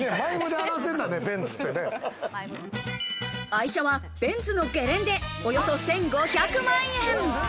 愛車はベンツのゲレンデ、およそ１５００万円。